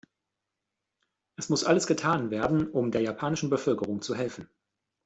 Es muss alles getan werden, um der japanischen Bevölkerung zu helfen.